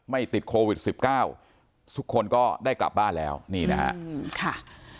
ไม่ติดโควิด๑๙ทุกคนก็ได้กลับบ้านแล้วนี่นะครับ